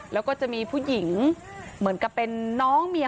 แล้วก็จะมีผู้หญิงเหมือนกับเป็นน้องเมีย